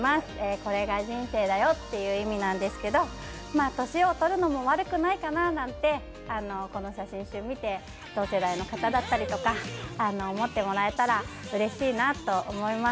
「これが人生だよ」という意味なんですけど年を取るのも悪くないかななんてこの写真集見て同世代の方とか思ってもらえたらうれしいです。